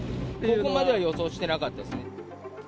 ここまでは予想してなかったですね。